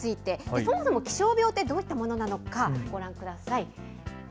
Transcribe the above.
そもそも気象病ってどういったものなのか、ご覧ください。